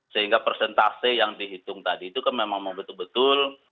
sehingga persentase yang dihitung tadi itu kan memang betul betul